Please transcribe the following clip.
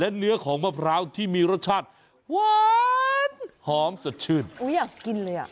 เนื้อของมะพร้าวที่มีรสชาติหวานหอมสดชื่นอุ้ยอยากกินเลยอ่ะ